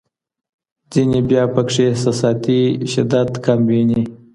ځینې بیا پکې احساساتي شدت کم ویني.